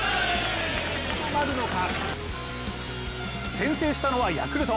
先制したのはヤクルト。